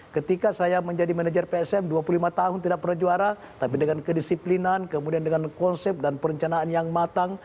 ketika saya menjadi manajer psm dua puluh lima tahun tidak pernah juara tapi dengan kedisiplinan kemudian dengan konsep dan perencanaan yang matang